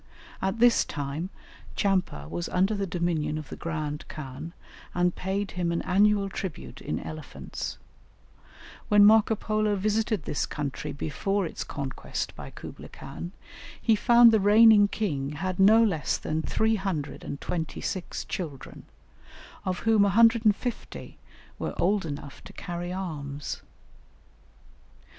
At this time, Tchampa was under the dominion of the grand khan, and paid him an annual tribute in elephants; when Marco Polo visited this country before its conquest by Kublaï Khan, he found the reigning king had no less than 326 children, of whom 150 were old enough to carry arms.